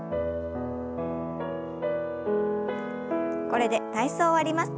これで体操を終わります。